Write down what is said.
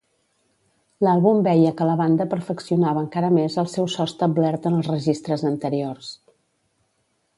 L'àlbum veia que la banda perfeccionava encara més el seu so establert en els registres anteriors.